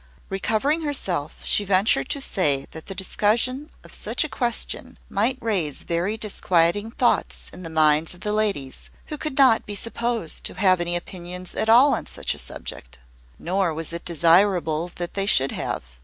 Recovering herself, she ventured to say that the discussion of such a question might raise very disquieting thoughts in the minds of the ladies, who could not be supposed to have any opinions at all on such a subject. Nor was it desirable that they should have.